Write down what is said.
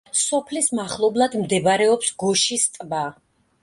სოფლის მახლობლად მდებარეობს გოშის ტბა.